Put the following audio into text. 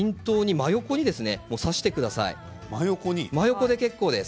真横で結構です。